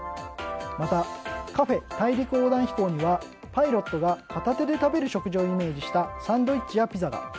またカフェ大陸横断飛行にはパイロットが片手で食べる食事をイメージしたサンドイッチやピザが。